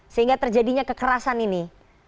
sehingga terjadinya kekerasan ini